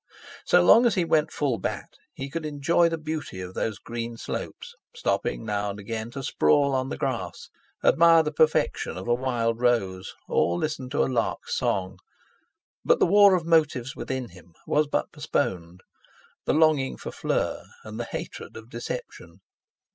So long as he went full bat, he could enjoy the beauty of those green slopes, stopping now and again to sprawl on the grass, admire the perfection of a wild rose or listen to a lark's song. But the war of motives within him was but postponed—the longing for Fleur, and the hatred of deception.